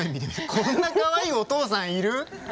こんなかわいいお父さんいる？